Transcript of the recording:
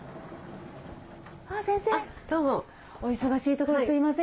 先生お忙しいところすいません。